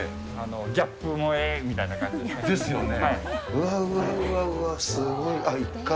ギャップ萌えみたいな感じですよね。